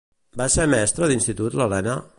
Va ser mestra d'institut l'Helena?